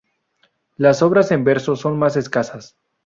Las obras en verso son más escasas.